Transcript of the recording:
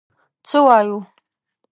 څه وایو.